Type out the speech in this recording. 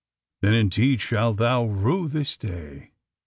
^^Then indeed shalt thou rue this day!"